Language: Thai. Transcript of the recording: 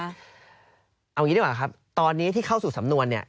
เอาอย่างนี้ดีกว่าครับตอนนี้ที่เข้าสู่สำนวนเนี่ย